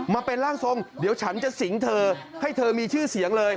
มาเป็นร่างทรงเดี๋ยวฉันจะสิงเธอให้เธอมีชื่อเสียงเลย